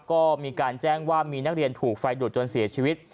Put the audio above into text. ก็มีการแจ้งว่ามีนักเรียนถูกไฟดูดจนเสียชีวิต